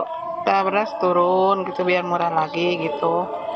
kita beras turun gitu biar murah lagi gitu